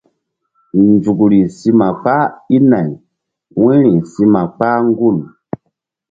Nzukri si ma kpah i nay wu̧yri si ma kpah gul.